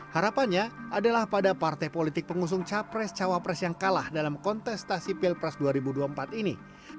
harapannya adalah pada partai politik pengusung capres cawapres yang kalah dalam kontestasi pilpres dua ribu dua puluh empat ini